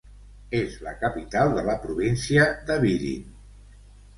És la capital de la província de Vidin.